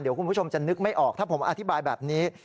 เดี๋ยวคุณผู้ชมจะนึกไม่ออกถ้าผมอธิบายแบบนี้